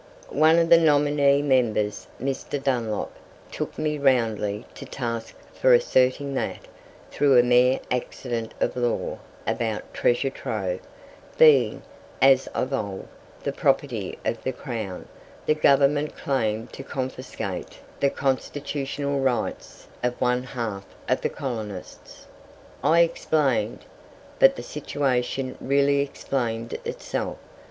One of the nominee members, Mr. Dunlop, took me roundly to task for asserting that, through a mere "accident of law" about "treasure trove" being, as of old, the property of the Crown, the Government claimed to confiscate the constitutional rights of one half of the colonists. I "explained." But the situation really explained itself.